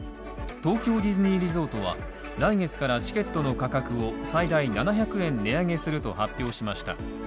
東京ディズニーリゾートは、来月からチケットの価格を最大７００円値上げすると発表しました。